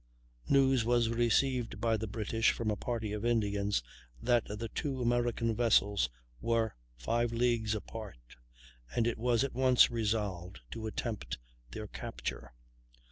News was received by the British from a party of Indians that the two American vessels were five leagues apart, and it was at once resolved to attempt their capture.